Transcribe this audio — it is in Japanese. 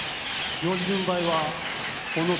行司軍配は阿武咲